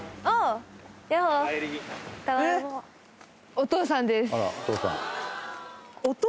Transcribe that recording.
お父さんです。